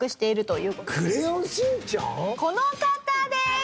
この方です！